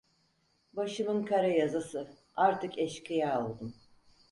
Başımın kara yazısı artık eşkıya oldum.